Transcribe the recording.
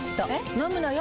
飲むのよ。